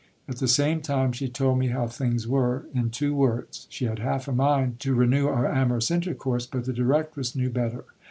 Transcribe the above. At the same time she told me how things were in two words. She had half a mind to renew our amorous intercourse ; but the directress knew better.